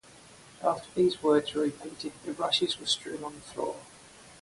After these words were repeated, the rushes were strewn on the floor.